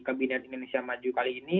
kabinet indonesia maju kali ini